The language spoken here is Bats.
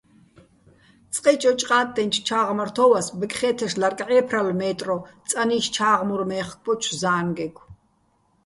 წყე ჭოჭოყა́ტტენჩო̆ ჩა́ღმართო́ვას ბეკხე́თეშ ლარკ ჺე́ფრალო̆ მე́ტრო წანი́შ ჩა́ღმურ მე́ხკბოჩო̆ ზა́ნგეგო.